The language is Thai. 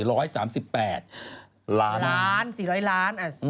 ๔๐๐ล้านอ่ะเฉลี่ยเกือบ๔๓๙ล้าน